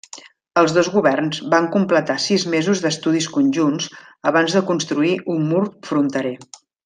Els dos governs van completar sis mesos d'estudis conjunts abans de construir un mur fronterer.